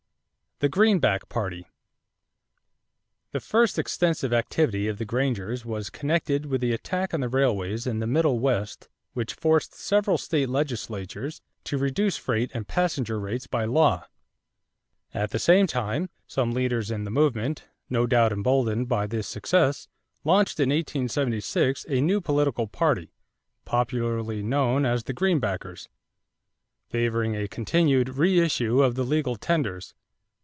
=The Greenback Party.= The first extensive activity of the Grangers was connected with the attack on the railways in the Middle West which forced several state legislatures to reduce freight and passenger rates by law. At the same time, some leaders in the movement, no doubt emboldened by this success, launched in 1876 a new political party, popularly known as the Greenbackers, favoring a continued re issue of the legal tenders.